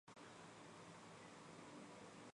后担任解放军总后勤部副部长。